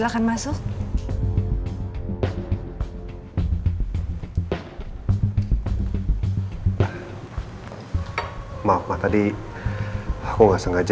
kenapa bisa ada di rumah aku saat itu ya